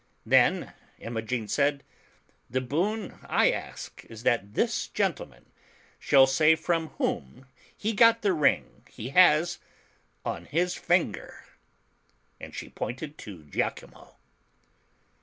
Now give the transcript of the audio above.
Then Imogen said, ('The boon I ask is that this gentleman shall say from whom he got the ring he has on his finger," and she pointed to lachimo.